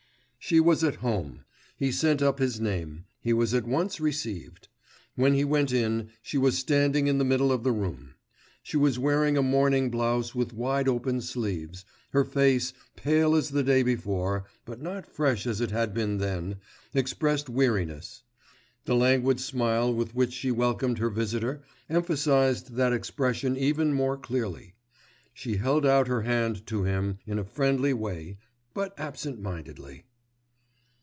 She was at home. He sent up his name; he was at once received. When he went in, she was standing in the middle of the room. She was wearing a morning blouse with wide open sleeves; her face, pale as the day before, but not fresh as it had been then, expressed weariness; the languid smile with which she welcomed her visitor emphasised that expression even more clearly. She held out her hand to him in a friendly way, but absent mindedly.